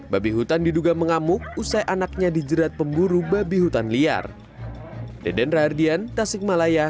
babi hutan diduga mengamuk usai anaknya dijerat pemburu babi hutan liar deden rahardian tasikmalaya